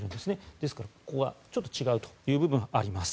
ですから、ここがちょっと違うという部分はあります。